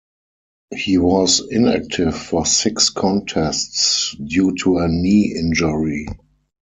He was inactive for six contests due to a knee injury.